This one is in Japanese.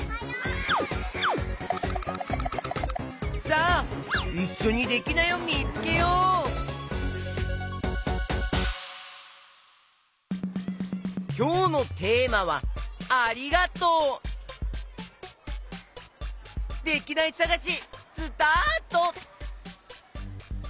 さあいっしょにきょうのテーマは「ありがとう」できないさがしスタート！